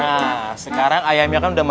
nah sekarang ayamnya kan udah masuk